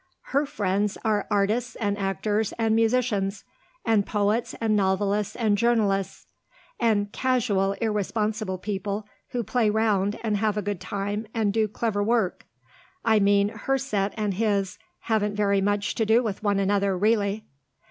Her friends are artists and actors and musicians, and poets and novelists and journalists, and casual, irresponsible people who play round and have a good time and do clever work I mean, her set and his haven't very much to do with one another really."